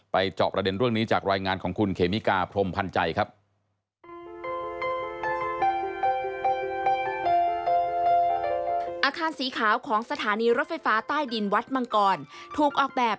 จอบประเด็นเรื่องนี้จากรายงานของคุณเขมิกาพรมพันธ์ใจครับ